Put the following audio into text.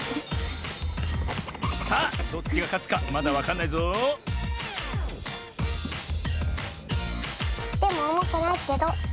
さあどっちがかつかまだわかんないぞでもおもくないけど。